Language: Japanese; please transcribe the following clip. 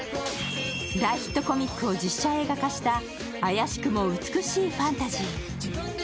大ヒットコミックを実写映画化した怪しくも美しいファンタジー。